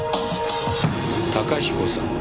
高彦さん